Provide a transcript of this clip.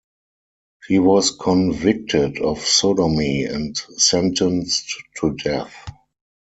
He was convicted of sodomy and sentenced to death.